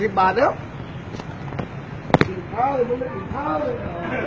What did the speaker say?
กินข้าวเลยมึงไม่กินข้าวเลย